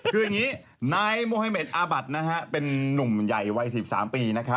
คืออย่างนี้นายโมเฮเมดอาบัติเป็นนุ่มใหญ่วัย๑๓ปี